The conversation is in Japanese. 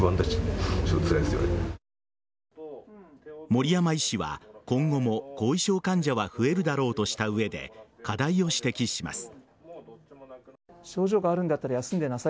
森山医師は今後も後遺症患者は増えるだろうとした上で課題を指摘します。